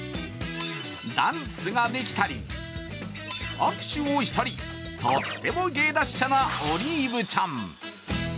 ダンスができたり、握手をしたりとっても芸達者なオリーブちゃん。